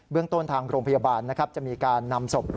เรื่องต้นทางโรงพยาบาลนะครับจะมีการนำศพ